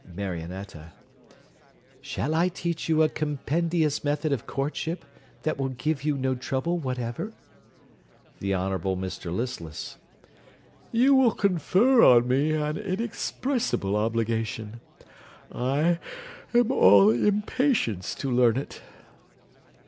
MARIONETTA Shall I teach you a compendious method of courtship, that will give you no trouble whatever? THE HONOURABLE MR LISTLESS You will confer on me an inexpressible obligation. I am all impatience to learn it.